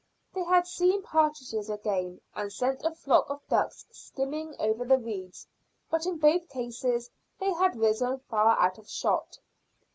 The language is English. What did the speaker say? They had seen partridges again, and sent a flock of ducks skimming over the reeds, but in both cases they had risen far out of shot.